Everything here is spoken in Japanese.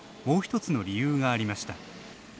もう一つの理由がありました。